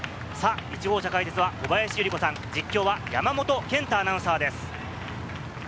１号車解説は小林祐梨子さん、実況は山本健太アナウンサーです。